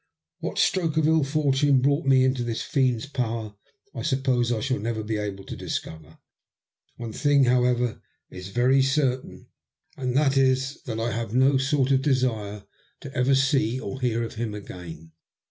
What stroke of ill fortune brought me into this fiend's power I suppose I shall never be able to discover. One thing, however, is very certain, and B 3 THE LUST OF HATE. that is that I have no sort of desire ever to see or hear of him again.